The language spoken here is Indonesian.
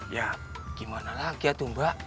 ya gimana lagi ya tuh mbak